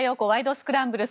スクランブル」。